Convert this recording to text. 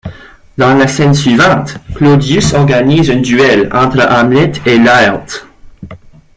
Dans la scène suivante, Claudius organise un duel entre Hamlet et Laërte.